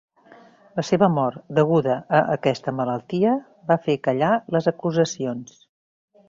La seva mort, deguda a aquesta malaltia, va fer callar les acusacions.